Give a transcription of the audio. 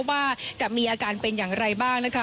ว่าจะมีอาการเป็นอย่างไรบ้างนะคะ